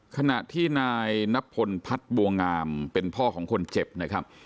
ขณะที่นายนับพลพัฒน์บัวงามเป็นพ่อของคนเจ็บนะครับ